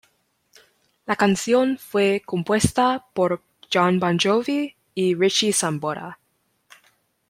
La canción fue compuesta por Jon Bon Jovi y Richie Sambora.